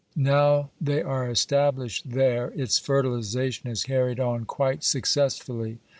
Now they are established there its fertilization is carried on quite successfully.